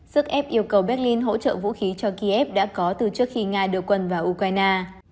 sức ép yêu cầu berlin hỗ trợ vũ khí cho kiev đã có từ trước khi nga đưa quân vào ukraine